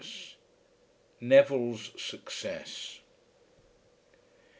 NEVILLE'S SUCCESS.